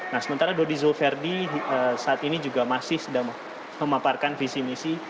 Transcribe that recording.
nah sementara dodi zulferdi saat ini juga masih sedang memaparkan visi misi